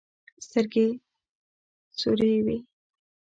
سترګې سورې وې.